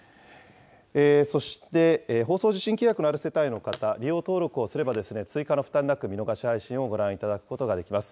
そして放送受信契約のある世帯の方、利用登録をすれば、追加の負担なく、見逃し配信をご覧いただくことができます。